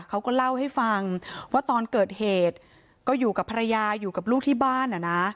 เขาก็เล่าให้ฟังว่าตอนเกิดเหตุก็อยู่กับภรรยาอยู่กับลูกที่บ้านอ่ะนะ